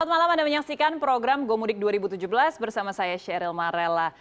selamat malam anda menyaksikan program gomudik dua ribu tujuh belas bersama saya sheryl marella